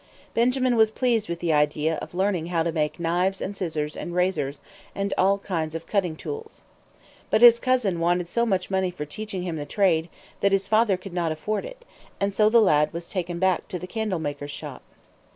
Benjamin was pleased with the idea of learning how to make knives and scissors and razors and all other kinds of cutting tools. But his cousin wanted so much money for teaching him the trade that his father could not afford it; and so the lad was taken back to the candle maker's shop.